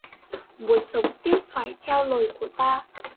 Muốn sống tiếp phải theo lời của ta